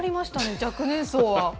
若年層は。